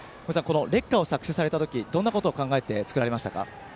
「烈火」を作詞されたときどんなことを考えて作られましたか？